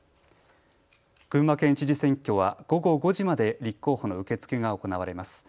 群馬県知事選挙は午後５時まで立候補の受け付けが行われます。